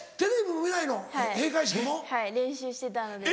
はい練習してたので。